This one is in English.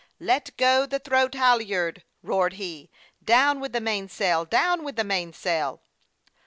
" Let go the throat halyard !" roared he. " Down ' with the mainsail ! down with the mainsail